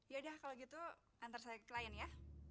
yaudah kalau gitu antar saya ke klien ya